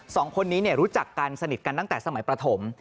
สองคนนี้รู้จักกันสนิทกันตั้งแต่สมัยประถม